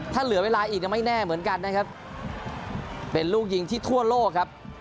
ถ้าเหลือเวลาอีกยังไม่แน่เหมือนกันนะครับเป็นลูกยิงที่ทั่วโลกครับ